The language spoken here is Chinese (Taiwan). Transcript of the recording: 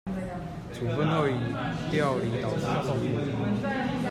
處分後已調離導師職務